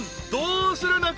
［どうする？